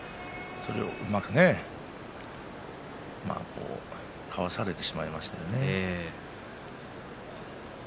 それを、うまくねかわされてしまいましたね。